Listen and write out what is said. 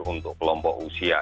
untuk kelompok usia